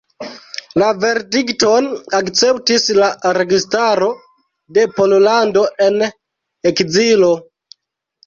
La verdikton akceptis la registaro de Pollando en ekzilo.